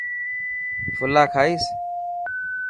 ڦلا کائيس.